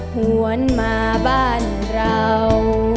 หวนมาบ้านเรา